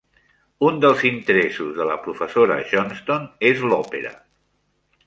Un dels interessos de la professora Johnstone és l'òpera.